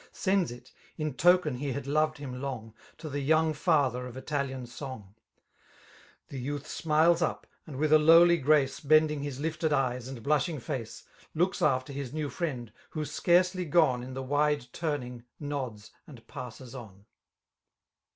Sends it, in token he had loved him Iong» To the young father of Italian aong : The youth smilea up, and with a lowly grace Bending his lifted eyes and blushing face» Looks after his new friend, who, scarcely gone In the wide turning, nods and passes on.